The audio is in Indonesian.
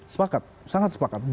sepakat sangat sepakat